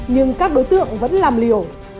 nhưng các đối tượng vẫn làm liều